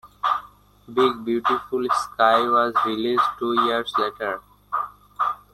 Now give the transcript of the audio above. "Big Beautiful Sky" was released two years later.